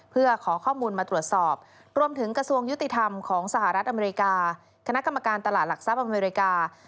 เพื่อขอข้อมูลมาตรวจสอบรวมถึงกระทรวงยุติธรรมของสหรัฐอเมริกาคณะกรรมการตลาดหลักทรัพย์อเมริกา